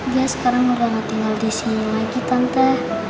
dia sekarang udah tinggal di sini lagi tante